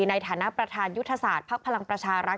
ในฐานะประธานยุทธศาสตร์ภักดิ์พลังประชารัฐ